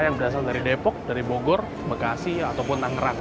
yang berasal dari depok bogor bekasi ataupun anggerak